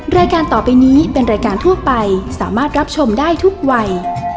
รายการต่อไปนี้เป็นรายการทั่วไปสามารถรับชมได้ทุกวัย